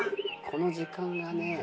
この時間がね。